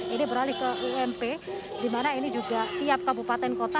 ini beralih ke ump di mana ini juga tiap kabupaten kota